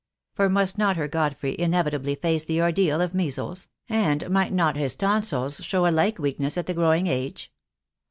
For must not her Godfrey inevitably face the ordeal of measles, and might not his tonsils show a like weakness at the growing age?